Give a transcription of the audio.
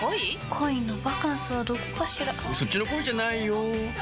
恋のバカンスはどこかしらそっちの恋じゃないよ